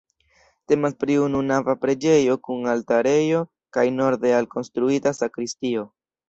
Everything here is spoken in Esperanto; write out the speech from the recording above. Temas pri ununava preĝejo kun altarejo kaj norde alkonstruita sakristio.